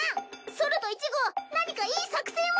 そると１号何かいい作戦を！